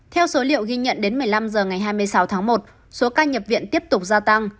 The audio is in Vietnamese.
theo số liệu ghi nhận đến một mươi năm h ngày hai mươi sáu tháng một số ca nhập viện tiếp tục gia tăng